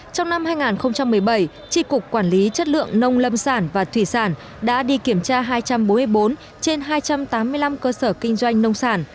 trong năm hai nghìn một mươi bảy tri cục quản lý chất lượng nông lâm sản và thủy sản đã đi kiểm tra hai trăm bốn mươi bốn trên hai trăm tám mươi năm cơ sở kinh doanh nông sản